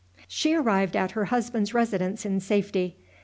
She arrived at her husband's residence in safety.